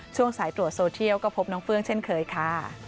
ช่วงสายตรวจโซเทียลก็พบน้องเฟื้องเช่นเคยค่ะ